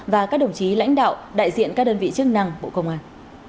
và các đồng chí lãnh đạo đại diện các đơn vị chức năng bộ công an